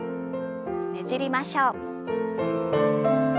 ねじりましょう。